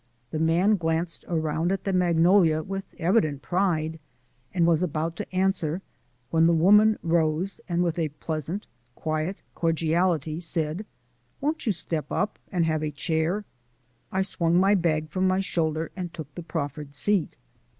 The man glanced around at the magnolia with evident pride, and was about to answer when the woman rose and with a pleasant, quiet cordiality said: "Won't you step up and have a chair?" I swung my bag from my shoulder and took the proffered seat.